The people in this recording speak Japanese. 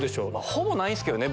ほぼないっすけどね